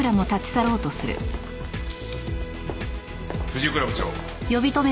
藤倉部長。